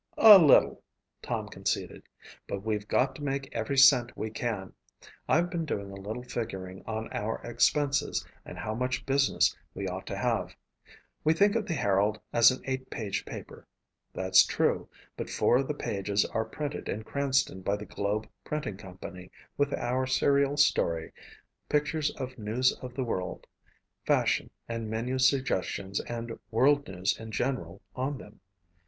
"A little," Tom conceded, "but we've got to make every cent we can. I've been doing a little figuring on our expenses and how much business we ought to have. We think of the Herald as an eight page paper. That's true, but four of the pages are printed at Cranston by the Globe Printing Company with our serial story, pictures of news of the world, fashion and menu suggestions and world news in general on them.